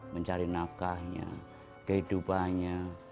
mencari nakahnya kehidupannya